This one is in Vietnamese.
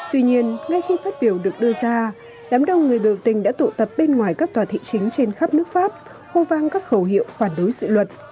tuy nhiên ngay khi phát biểu được đưa ra đám đông người biểu tình đã tụ tập bên ngoài các tòa thị chính trên khắp nước pháp hô vang các khẩu hiệu phản đối dự luật